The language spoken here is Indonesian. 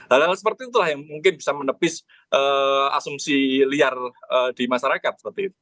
hal hal seperti itulah yang mungkin bisa menepis asumsi liar di masyarakat seperti itu